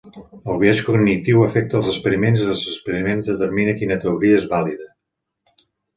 El biaix cognitiu afecta els experiments i els experiments determina quina teoria és vàlida.